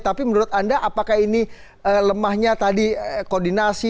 tapi menurut anda apakah ini lemahnya tadi koordinasi